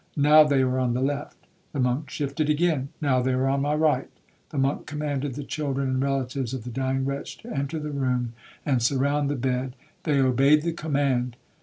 'Now they are on the left.' The monk shifted again. 'Now they are on my right.' The monk commanded the children and relatives of the dying wretch to enter the room, and surround the bed. They obeyed the command.